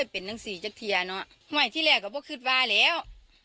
เป็นหนึ่งสี่จักรเทียเนอะไหว้ที่แรกก็พวกคืนไปแล้ว